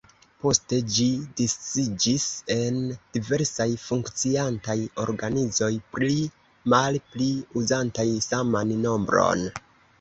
Poste ĝi disiĝis en diversaj funkciantaj organizoj pli mal pli uzantaj saman nombron.